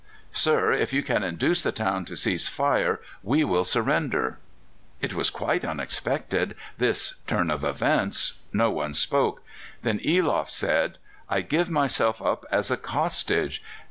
"Sir, if you can induce the town to cease fire, we will surrender." It was quite unexpected, this turn of events. No one spoke. Then Eloff said: "I give myself up as a hostage.